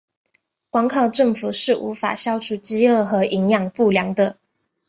光靠政府是无法消除饥饿和营养不良的。